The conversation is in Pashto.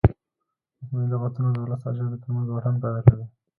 مصنوعي لغتونه د ولس او ژبې ترمنځ واټن پیدا کوي.